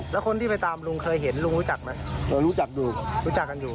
แล้วคนที่ไปตามลุงเคยเห็นลุงรู้จักไหมหนูรู้จักอยู่รู้จักกันอยู่